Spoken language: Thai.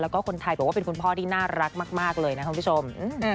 แล้วก็คนไทยบอกว่าเป็นคุณพ่อที่น่ารักมากเลยนะคุณผู้ชม